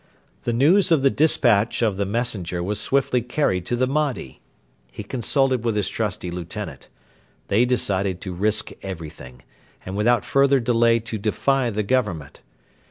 The news of the despatch of the messenger was swiftly carried to the Mahdi! He consulted with his trusty lieutenant. They decided to risk everything, and without further delay to defy the Government.